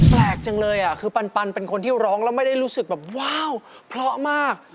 แปลกจังเลยคือปันเป็นคนที่ร้องแล้วไม่ได้รู้สึกแบบว้าวเพราะมาก